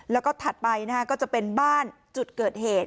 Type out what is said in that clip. แล้วก็ถัดไปก็จะเป็นบ้านจุดเกิดเหตุ